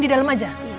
di dalam aja